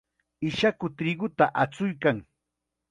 Ishaku triquta achuykan.